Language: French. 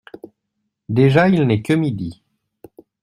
Déjà ! il n’est que midi !